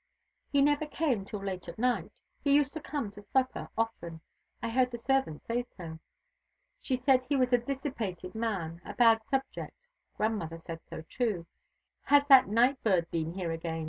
"He never came till late at night. He used to come to supper often. I heard the servant say so. She said he was a dissipated man, a bad subject. Grandmother said so too. 'Has that night bird been here again?'